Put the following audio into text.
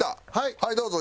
はいどうぞ。